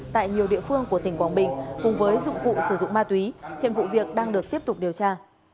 tại nhiều địa phương của tỉnh quảng bình cùng với dụng cụ sử dụng ma túy hiện vụ việc đang được tiếp tục điều tra